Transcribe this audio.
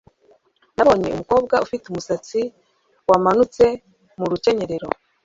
Nabonye umukobwa ufite umusatsi wamanutse mu rukenyerero